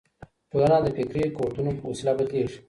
ټولنه د فکري قوتونو په وسیله بدلیږي.